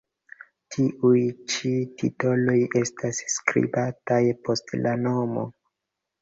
Tiuj ĉi titoloj estas skribataj post la nomo.